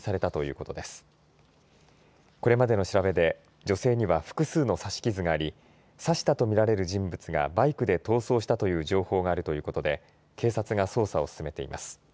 これまでの調べで女性には複数の刺し傷があり刺したと見られる人物がバイクで逃走したという情報があるということで警察が捜査を進めています。